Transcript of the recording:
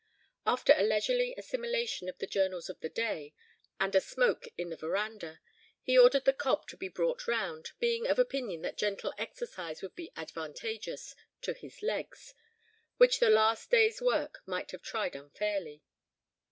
After a leisurely assimilation of the journals of the day, and a smoke in the verandah, he ordered the cob to be brought round, being of opinion that gentle exercise would be advantageous to his legs, which the last day's work might have tried unfairly.